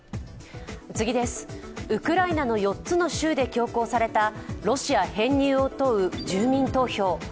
ウクライナの４つの州で強行されたロシア編入を問う住民投票。